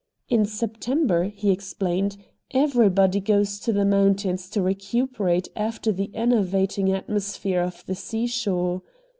In September, he explained, everybody goes to the mountains to recuperate after the enervating atmosphere of the sea shore.